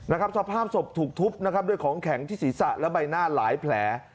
นะครับสภาพสภทุกทุพฯนะครับด้วยของแข็งที่ศิษสะและใบหน้าหลายแผล